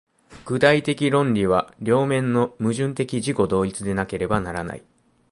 具体的論理は両面の矛盾的自己同一でなければならない。